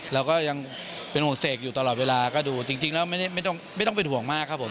เราก็ยังเป็นห่วงเสกอยู่ตลอดเวลาก็ดูจริงแล้วไม่ต้องเป็นห่วงมากครับผม